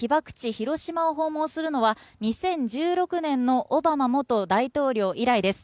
・広島を訪問するのは２０１６年のオバマ元大統領以来です。